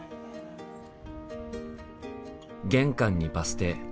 玄関にバス停。